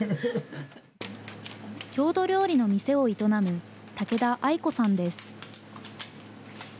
郷土料理の店を営む竹田愛子さんです。